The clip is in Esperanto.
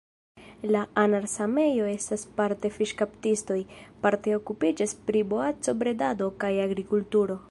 La anar-sameoj estas parte fiŝkaptistoj, parte okupiĝas pri boaco-bredado kaj agrikulturo.